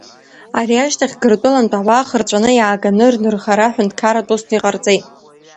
Ари ашьҭахь Гыртәылантә ауаа хырҵәаны иааганы рнырхара ҳәынҭқарратә усны иҟарҵеит.